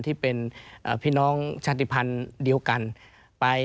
ที่เป็นพี่น้องชาติภัณฑ์เดียวกันไป